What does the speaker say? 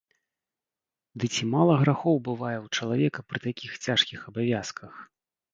Ды ці мала грахоў бывае ў чалавека пры такіх цяжкіх абавязках?